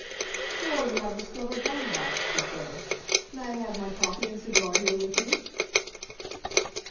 "So you have discovered Baumbach's," he said. "May I have my coffee and cigar here with you?"